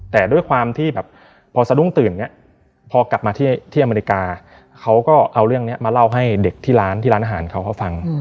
แต่ด้วยความที่แบบพอสะดุ้งตื่นอย่างนี้พอกลับมาที่อเมริกาเขาก็เอาเรื่องนี้มาเล่าให้เด็กที่ร้านที่ร้านอาหารเขาเขาฟัง